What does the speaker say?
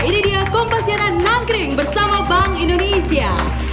ini dia kompasiana nangkring bersama bank indonesia